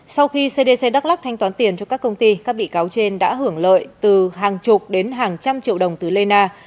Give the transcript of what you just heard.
sau khi cdc đắk lắc thanh toán tiền cho các công ty các bị cáo trên đã hưởng lợi từ hàng chục đến hàng trăm triệu đồng từ lê na